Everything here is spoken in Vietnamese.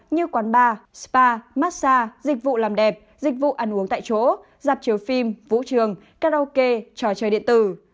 như quán bar spa massage dịch vụ làm đẹp dịch vụ ăn uống tại chỗ dạp chiếu phim vũ trường karaoke trò chơi điện tử